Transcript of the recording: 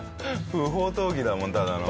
不法投棄だもんただの。